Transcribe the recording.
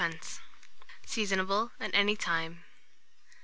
Seasonable at any time.